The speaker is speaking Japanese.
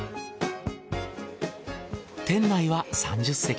店内は３０席。